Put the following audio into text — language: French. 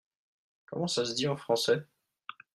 Comment ça se dit en français ?